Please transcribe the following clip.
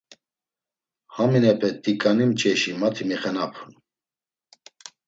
Haminepe t̆iǩani mç̌eşi ma ti mixenapun.